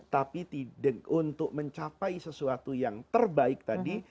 tapi untuk mencapai sesuatu yang terbaik tadi